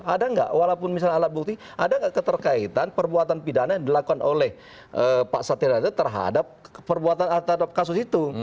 ada nggak walaupun misalnya alat bukti ada nggak keterkaitan perbuatan pidana yang dilakukan oleh pak satria itu terhadap perbuatan terhadap kasus itu